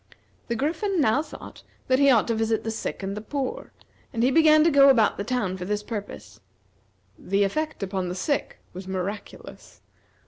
The Griffin now thought that he ought to visit the sick and the poor; and he began to go about the town for this purpose. The effect upon the sick was miraculous.